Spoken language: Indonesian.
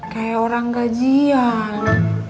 kayak orang gajian